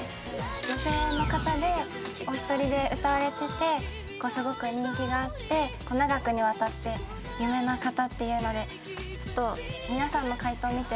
女性の方でお一人で歌われててすごく人気があって長くにわたって有名な方っていうのでちょっと。